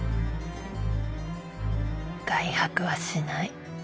外泊はしない。